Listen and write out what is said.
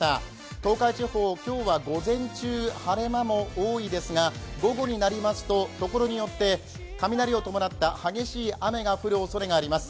東海地方、今日は午前中晴れ間も多いですが午後になりますと所によって雷を伴った激しい雨が降るおそれがあります。